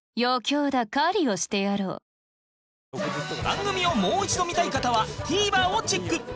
番組をもう一度見たい方は ＴＶｅｒ をチェック！